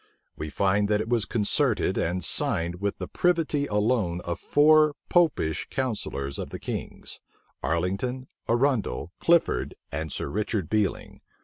We find that it was concerted and signed with the privity alone of four Popish counsellors of the king's; Arlington, Arundel, Clifford, and Sir Richard Bealing.